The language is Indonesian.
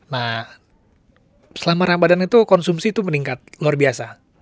nah selama ramadhan itu konsumsi itu meningkat luar biasa